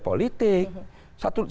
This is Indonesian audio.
selalu dilimpahkan kepada partai politik